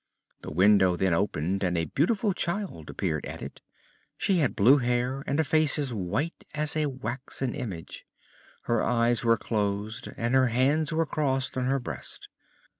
The window then opened and a beautiful Child appeared at it. She had blue hair and a face as white as a waxen image; her eyes were closed and her hands were crossed on her breast.